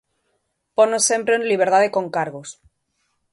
Ponos sempre en liberdade con cargos.